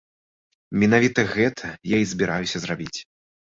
Менавіта гэта я і збіраюся зрабіць.